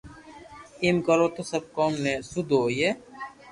ايم ڪرو تو سب ڪوم سود ھوئي